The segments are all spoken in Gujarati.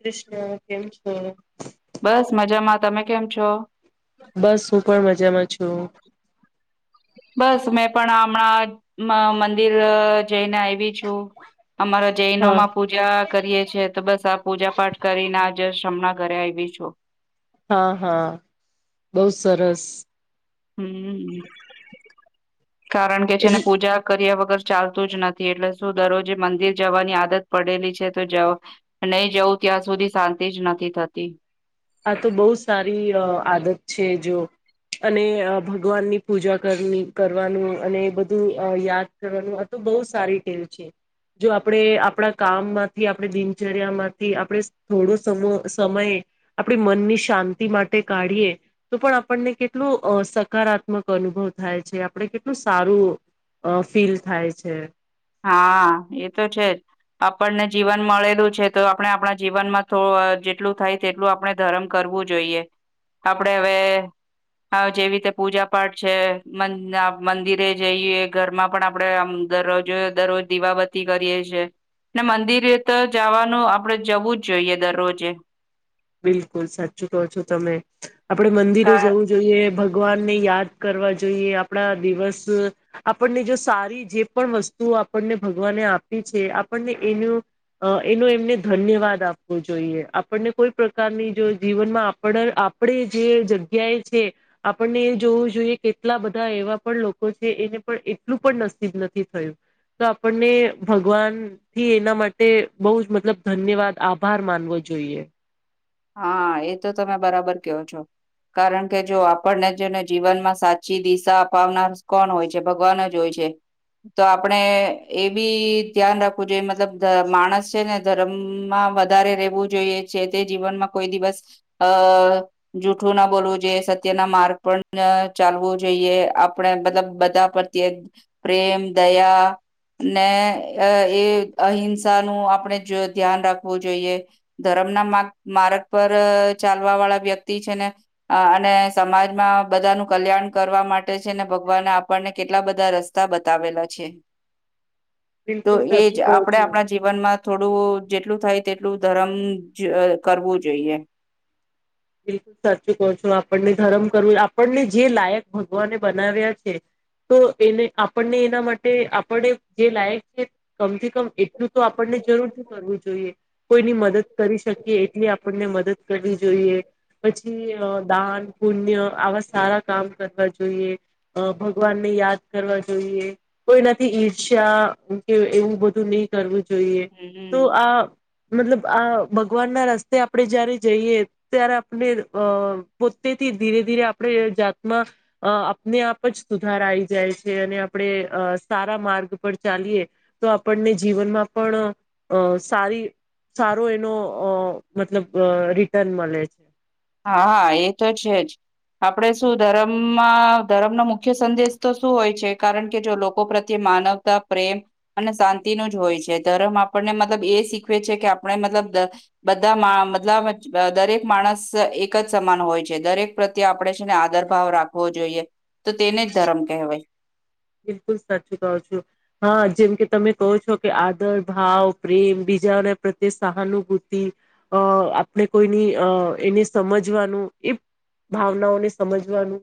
કૃષ્ણ કેમ છો? બસ મજામાં તમે કેમ છો? બસ હું પણ મજામાં છું. હેલો. બસ મેં પણ હમણાં મંદિર જઈને આવી છું. અમારા હા જૈનોમાં પૂજા કરીએ છીએ તો બસ આ પૂજા પાઠ કરીને આજે હમણાં ઘરે આવી ગઇ છું. હા હા બહુ સરસ હમ. કારણ કે છેને એટલે પૂજા કર્યા વગર વગર ચાલતું જ નથી એટલે શું દરરોજે મંદિર જવાની આદત પડેલી છે તો જ નહી જવું ત્યાં સુધી શાંતિ જ નથી થતી. આ તો બહુ સારી આદત છે જો અને ભગવાનની પૂજા કરવાનું અને બધું યાદ કરવાનું આ તો બહુ સારી ટેવ છે જો આપણે આપણા કામમાંથી આપણે દિનચર્યા માંથી આપણે થોડો ગણો સમ સમયે આપણી મનની શાંતિ માટે કાઢીએ તો પણ આપણને કેટલું સકારાત્મક અનુભવ થાય છે આપણે કેટલું સારું ફીલ થાય છે. હા એ તો છે જ આપણને જીવન મળેલું છે તો આપણે આપણા જીવનમાં થ જેટલું થાય તેટલું આપણે ધર્મ કરવું જોઈએ આપડે હવે જેવી રીતે પૂજા પાઠ છે મંદિરે જઈએ ઘરમાં પણ આપણે દરરોજ દરરોજ દીવાબતી કરીએ છીએ મંદિરે તો જવાનું આપડે જવું જ જોઈએ દરરોજે. બિલકુલ સાચું કહો છો તમે. આપડે મંદિરે કા જવું જોઈએ ભ ભગવાનને યાદ કરવા જોઈએ. આપણા દિવસ આપણને જો સારી જે પણ વસ્તુઓ આપણને ભગવાને આપી છે આપણને એનું એનું એમને ધન્યવાદ આપવો જોઈએ. આપણને કોઈ પ્રકારની જો જીવનમાં આપ આપણે જે જગ્યાએ છે આપણને એ જોવું જોઈએ કેટલા બધા એવા પણ લોકો છે એને પણ એટલું પણ નસીબ નથી થયું તો આપણને ભગવાન થી એના માટે બહુ જ મતલબ ધન્યવાદ આભાર માનવો જોઈએ. હા એ તો તમે બરાબર કહો છો કારણ કે જો આપણને જેને જીવનમાં સાચી દિશા અપાવનાર કોણ હોય છે ભગવાન જ હોય છે તો આપણે એ બી ધ્યાન રાખવું જોઈએ મતલબ માણસ છે ને ધર્મમાં વધારે રહેવું જોઈએ છે જેથી જીવનમાં કોઈ દિવસ અ જૂઠું ના બોલવું જોઈએ સત્ય ના માર્ગ પણ ચાલવો જોઈએ આપણે મતલબ બધા પ્રત્યે પ્રેમ દયા ને એ અહિંસાનું આપણે ધ્યાન રાખવું જોઈએ ધર્મના માર્ગ માર્ગ પર ચાલવા વાળા વ્યક્તિ છે ને અને સમાજમાં બધાનું કલ્યાણ કરવા માટે છે ને ભગવાને આપણને કેટલા બધા રસ્તા બતાવેલા છે. તો બિલકુલ એ જ સાચું કહો આપણે છો. આપણા જીવનમાં થોડું જેટલું થાય તેટલું ધર્મ જીએ કરવું જોઈએ. બિલકુલ સાચું કહો છો. આપણને ધરમ કરવું આપણને જે લાયક ભગવાને બનાવ્યા છે તો એને આપણને એના માટે આપડે જે લાયક છે કમથી કમ એટલું તો આપણને જરૂરથી કરવું જોઈએ કોઈની મદદ કરી શકીએ એટલી આપણને મદદ કરવી જોઈએ. પછી અહ દાન પુણ્ય આવા સારા કામ કરવા જોઈએ. અહ ભગવાનને યાદ કરવા જોઈએ કોઈ નાથી ઈર્ષ્યા કે એવું બધું નહી કરવું જોઈએ. તો હમ આ મતલબ આ ભગવાન ના રસ્તે આપડે જયારે જઈએ ત્યારે આપણે અહ પોતેથી ધીરે ધીરે આપડે જાતમાં અહ આપને આપ જ સુધારા આવી જાય છે અને આપડે અહ સારા માર્ગ પર ચાલીએ તો આપણને જીવનમાં પણ અહ સારી સારો એનો અહ મતલબ અહ રિટર્ન મલે છે. હાા એ તો છે. જ આપણેે શું ધર્મમાં ધર્મનો મુખ્ય સંદેશ તો શું હોય છે. કારણ કે જો લોકો પ્રત્યે માનવતા પ્રેમ અને શાંતિનું જ હોય છે. ધર્મ આપણને મતલબ એ શીખવે છે. કે આપણે મતલબ બધા મતલબ દરેક માણસ એક જ સમાન હોય છે. દરેક પ્રત્યે આપણેે છે. ને આદર ભાવ રાખવો જોઈએ તો તેને જ ધર્મ કહેવાય. બલકલ સાચું કઉ છું. હા જેમ કે તમે કહો છો કે આદર ભાવ પ્રેમ બીજાઓને પ્રત્યે સહાનુભૂતિ. અ આપણે કોઈની એને સમજવાનું એ ભાવનાઓને સમજવાનું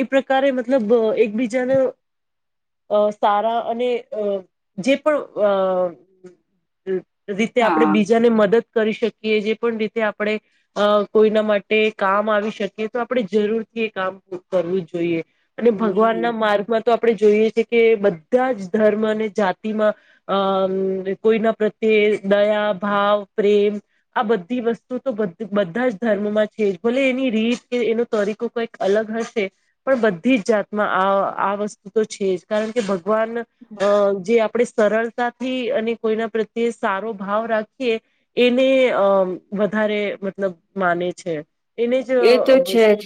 એ પ્રકારે મતલબ એકબીજાને. અ સારા અને અ જે પણ અ. રીતે આપણે હા બીજાને મદદ. કરી શકીએ જે પણ રીતે આપણે અ કોઈના માટે કામ આવી શકીએ તો આપણે જરૂર થી એ કામ કરવું જોઈએ. અને ભગવાન હમ ના માર્ગમાં. જોઈએ છે કે બધા જ ધર્મ અને જાતિમાં અ કોઈના પ્રત્યે દયા ભાવ પ્રેમ આ બધી વસ્તુ તો બધા જ ધર્મમાં છે. ભલે એની રીત કે એનો તરીકો કઈક અલગ હશે પણ બધી જ જાતમાં આ વસ્તુ. તો છે જ કારણ કે. ભગવાન અ જે આપણેે. સરળતાથી અને કોઈના પ્રત્યે સારો ભાવ રાખીએ એને અમ વધારે મતલબ માને છે. એને જ એ તો છે જ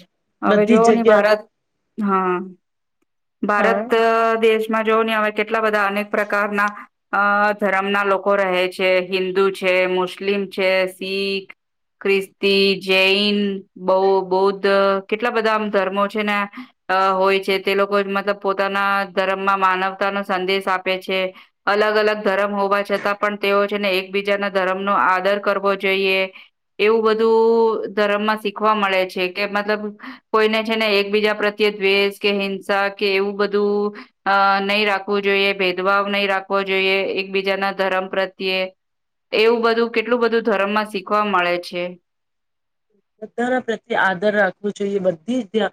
હવે બધી જોવ જ હી જગ્યા ભારત હા. હા ભારત દેશમાં. જો ને હવે કેટલા બધા અનેક પ્રકારના અ ધર્મ ના લોકો રહે છે હિન્દુ છે. મુસ્લિમ છે શીખ ખ્રિસ્તી જૈન બૌ બૌદ્ધ કેટલા બધા આમ ધર્મો છે. ને હોય છે. તે લોકો મતલબ પોતાના ધર્મમાં માનવતા નો સંદેશ આપે છે. અલગ અલગ ધર્મ હોવા છતાં પણ તેઓ છેને એકબીજાના ધર્મનોો આદર કરવો જોઈએ. એવું બધું ધર્મમાં શીખવા મળે છે, કે મતલબ કોઈને છેને એકબીજા પ્રત્યે દ્વેષ કે કે એવું બધું અ નહીિ રાખવું જોઈએ. ભેદભાવ નહી, રાખવો જોઈએ. એક બીજાના ધર્મ પ્રત્યે એવું બધું કેટલું બધું ધર્મમાં શીખવા મળે છે. બધા પ્રત્યે આદર રાખવો જોઈએ બધી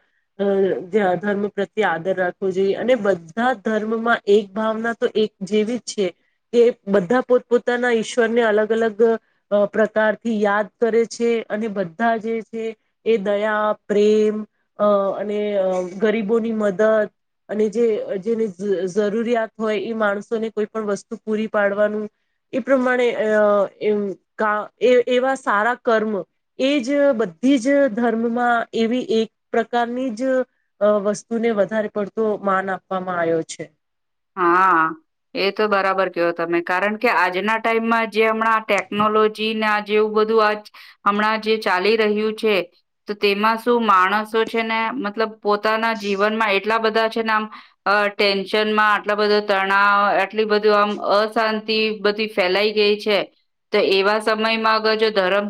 ધર્મ પ્રત્યે આદર રાખવો જોઈએ અને બધા ધર્મમાં એક ભાવના તો એક જેવી જ છે. કે બધા પોતપોતાના ઈશ્વર ને અલગ અલગ પ્રકારથી યાદ કરે છે. અને. બધા જે છે. એ દયા પ્રેમ અને ગરીબોની મદદ અને જે જેને જરૂરિયાત હોય એ માણસોને કોઈ પણ વસ્તુ પૂરી પાડવાનું એ પ્રમાણે એવા સારા કર્મ. એ જ બધી જ ધર્મમાં, એવી એક પ્રકારની જવસ્તુને વધારે પડતો માન આપવામાં આવ્યો છે. હા એ તો બરાબર કયો તમે. કારણ કે આજના ટાઈમમાં. જે હમણાં ટેકનોલોજી ના. જેવું બધું આ હમણાં જે ચાલી રહ્યું છે. તો તેમાં શું માણસો છે. ને મતલબ પોતાના જીવનમાં એટલા બધા છે. ને આમ ટેન્શનમાં. આટલો બધો તણાવ, આટલી, બધું આમ અશાંતિ બધી ફેલાઈ ગઈ છે. તો એવા સમયમાં અગર જો ધર્મ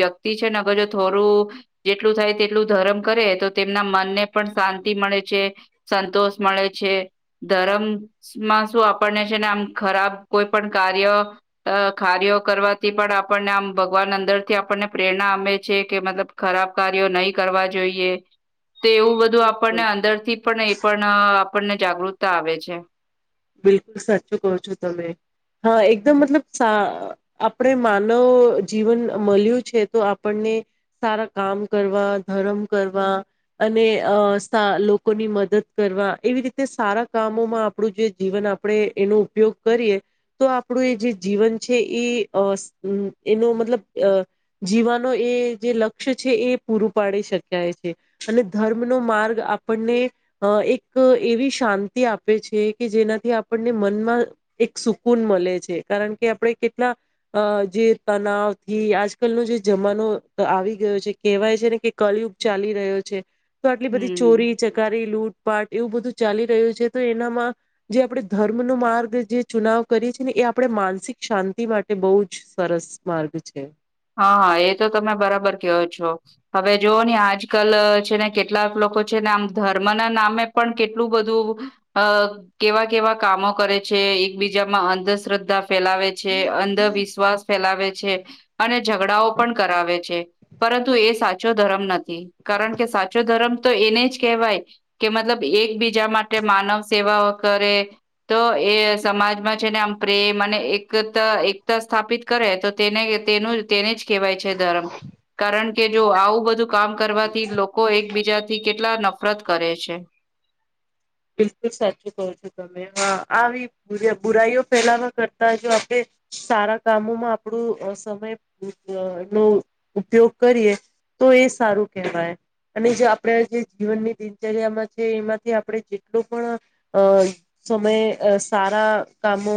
વ્યક્તિ છે. ને અગર જો થોડું જેટલું થાય તેટલું ધર્મ કરે તો તેમના મનને પણ શાંતિ મળે છે સંતોષ મળે છે. ધરમ. માં શું આપણને છે. ને આમ ખરાબ કોઈ પણ કાર્ય કાર્યો કરવાથી પણ આપણને આમ ભગવાન અંદર થી આપણને પ્રેરણા અમે છે. કે મતલબ ખરાબ કાર્યો નહી કરવા જોઈએ. તો એવું બધું આપણને બિલકુલ અંદર થી પણ એ પણ. આપણને જાગૃતતા આવે છે. બિલકુલ સાચું કહો છો તમે. હા એકદમ મતલબ આપણે માનવ જીવન મળ્યું છે. તો આપણને સારા કામ કરવા ધર્મ કરવા અને લોકોની મદદ કરવા એવી રીતે સારા કામોમાં આપણું જે. જીવન આપણે એનો ઉપયોગ કરીએ તો આપણું એ જે જીવન છે એ એનો મતલબ જીવાનો એ જે લક્ષ્ય છે. એ પૂરું પાડી શકાય છે. અને ધર્મનો માર્ગ આપણને એક એવી શાંતિ આપે છે. કે જેનાથી આપણને મનમાં એક સુકૂન મળે છે. કારણ કે આપણે કેટલા જે તનાવ થી આજકાલનો જે જમાનો આવી ગયો છે. કેહેવાય છે ને કે કલિયુગ ચાલી રહ્યો છે. તો આટલી બધી હમ ચોરી ચકારી લૂટપાટ એવું બધું ચાલી રહ્યું છે તો એનામાં. જે આપણે ધર્મનો માર્ગ જે ચુનાવ કરીએ છીએ ને એ આપણે માનસિક શાંતિ માટે બહુ જ સરસ માર્ગ છે. હા હા એ તો તમે બરાબર કહો છો હવે જોવ ને આજ કલ છે. ને કેટલાક લોકો છે ને આમ ધર્મના નામે પણ કેટલું બધું અ કેવા કેવા કામો કરે છે. એકબીજામાં અંધશ્રદ્ધ. ફેલાવે છે. અંધવિશ્વાસ ફેલાવે છે. છે. અને ઝઘડાઓ પણ કરાવે છે. પરંતુ એ સાચો ધર્મ નથી કારણ કે સાચો ધર્મ તો એને જ કહેવાય. કે મતલબ એકબીજા માટે માનવ સેવા કરે. તો એ સમાજમાં છેને આમ પ્રેમ અને એકતા એકતા સ્થાપિત કરે તો તેને. તેનું તેને જ કહેવાય છે ધરમ કારણ કે જો આવું બધું કામ કરવાથી લોકો એકબીજા થી કેટલા નફ ફરત કરે છે. બિલકુલ સાચું કો છો તમે હા આવી બુર્ચ બુરાઈઓ ફેલાવા કરતા જો આપળે સારા કામોમાં આપળુ સમય નો ઉપયોગ કરીએ તો એ સારું કહેવાય અને જે આપળે જે જીવનની દિનચર્યામાં છે, એમાંથી આપળે જે ટલું પણ અ સમય અ સારા કામો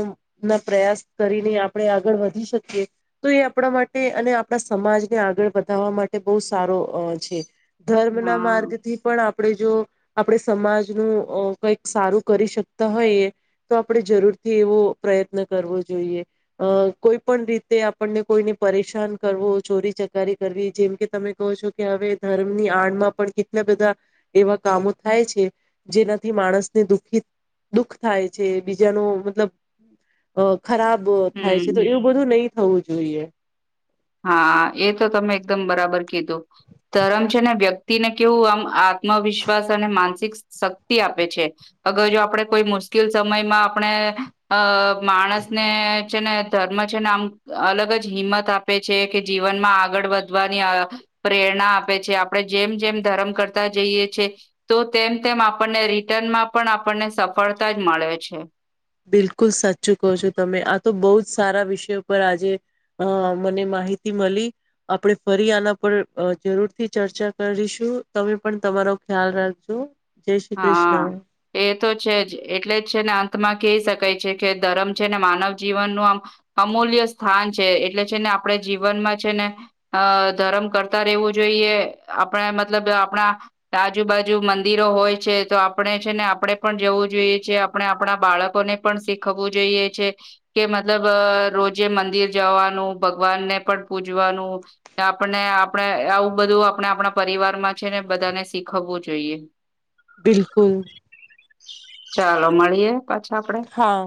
ના પ્રયાસ કરીને આપળે આગળ વધી શકીએ તો એ આપળા માટે, અને આપળા સમાજને આગળ વધાવવા માટે બહુ સારો અ છે ધર્મ ના હા માર્ગ થી પણ આપ આપળે જો આપળે સમાજનું ઓ કઈક સારું કરી શકતા હોઈએ, તો આપળે જરૂરથી એવો પ્રયત્ન કરવો જોઈએ, અ કોઈ પણ રીતે આપણને કોઈને પરેશાન કરવો ચોરી ચકારી કરવી જેમ કે તમે કહો છો કે હવે ધર્મની આડમાં પણ કેટલા બધા એવા કામો થાય છે, જેનાથી માણસને દુખી, દુઃખ થાય છે, બીજાનો મતલબ અ ખરાબ થાય છે, હમ. તો એવું બધું નય થવું જોઈએ. હા, એ તો તમે એકદમ બરાબર કીધું, ધર્મ છે, ને વ્યક્તિને કેવું આમ આત્મવિશ્વાસ અને માનસિક શક્તિ આપે છે, અગર જો આપળે કોઈ મુશ્કિલ સમયમાં આપણે અ માણસને છે ને ધર્મ છે, ને આમ અલગ જ હિંમત આ પે છે કે જીવનમાં આગળ વધવાની અ પ્રેરણા આપે છે, આપળે જેમ-જેમ ધર્મ કરતા જઈએ છે, તો તેમ-તેમ આપણને રિટર્નમાં પણ આપણને સફળતા જ મળે છે. બિલકુલ સાચું કો છો તમે આ તો બો જ સારા વિષયો પર આજે અ મને માહિતી મલી, આપળે ફરી આના પર અ જરૂર થી ચર્ચા કરીશું, તમે પણ તમારો ખ્યાલ રાખજો જય શ્રી હા, કૃષ્ણ એ તો છે જ એટલે જ છે ને અંતમાં કે શક કય છે કે ધર્મ છે, ને માનવ જીવન નું આમ અમૂલ્ય સ્થાન છે એટલે છે ને આપળે જીવનમાં છે ને અ ધર્મ કરતા રહેવું જોઈએ આપળે મતલબ આપણા આજુબાજુ મંદિરો હોય, છે તો આપણે છે, ને આપળે પણ જવું જોઈએ છે આપણે આપણા બાળકોને પણ શીખવવું જોઈએ છે, કે મતલબ અ રોજે મંદિર જવાનું ભગવાનને પણ પૂજવાનું આપને આપણે આવું બધું આપણે આપણા પરિવારમાં છે ને બધાને શીખવવું જોઈએ. બિલકુલ. ચાલો મળીએ, પાછા આપડે. હા